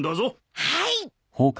はい！